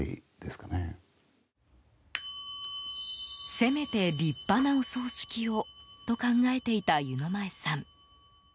せめて立派なお葬式をと考えていた湯前さん。